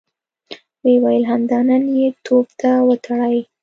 ويې ويل: همدا نن يې توپ ته وتړئ!